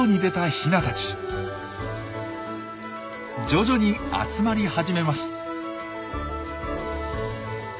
徐々に集まり始めます。